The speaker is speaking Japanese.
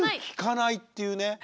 きかないっていうね。